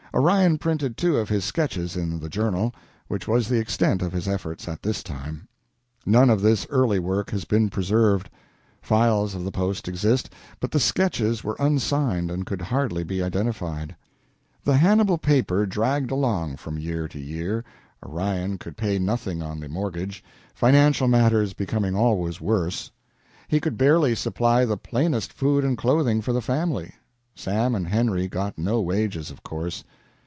Orion printed two of his sketches in the "Journal," which was the extent of his efforts at this time. None of this early work has been preserved. Files of the "Post" exist, but the sketches were unsigned and could hardly be identified. The Hannibal paper dragged along from year to year. Orion could pay nothing on the mortgage financial matters becoming always worse. He could barely supply the plainest food and clothing for the family. Sam and Henry got no wages, of course.